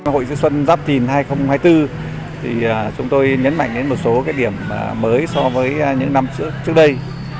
hội chữ xuân dắp hiền hai nghìn hai mươi bốn chúng tôi nhấn mạnh đến một số điểm mới so với những năm trước đây